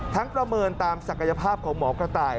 ประเมินตามศักยภาพของหมอกระต่าย